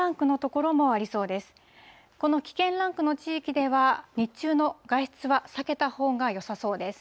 この危険ランクの地域では、日中の外出は避けたほうがよさそうです。